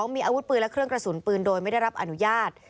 มีอาวุธปืนและเครื่องกระสุนปืนโดยไม่ได้รับอนุญาต